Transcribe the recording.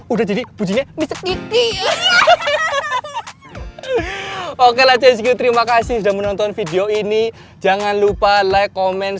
udah jadi bujiknya oke lah csq terima kasih sudah menonton video ini jangan lupa like comment